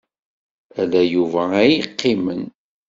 Ala Yuba ay yeqqimen.